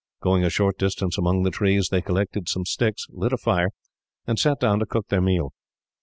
Going a short distance among the trees, they collected some sticks, lit a fire, and sat down to cook their meal.